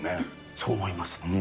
そう思います。